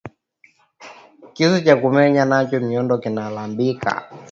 Kisu kya ku menya nakyo myoko kinalabika